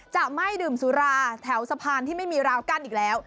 จะไม่ดื่มสุราแถวสะพานที่ไม่มีราวกั้นอีกแล้ว